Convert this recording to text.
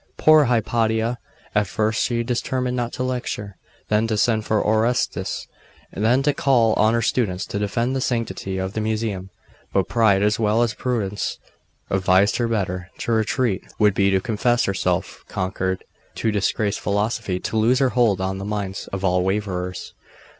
Poor Hypatia! At first she determined not to lecture then to send for Orestes then to call on her students to defend the sanctity of the Museum; but pride, as well as prudence, advised her better; to retreat would be to confess herself conquered to disgrace philosophy to lose her hold on the minds of all waverers.